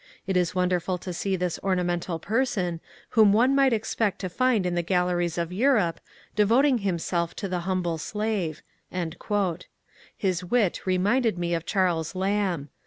It is wonderful to see this ornamental person, whom one might expect to find in the galleries of Europe, devoting himself to the humble slave." His wit reminded me of Charles Lamb.